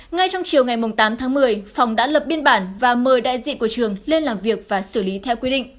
ngay trong chiều ngày tám tháng một mươi phòng đã lập biên bản và mời đại diện của trường lên làm việc và xử lý theo quy định